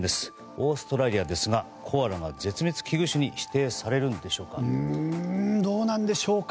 オーストラリアですがコアラが絶滅危惧種に指定されるんでしょうか。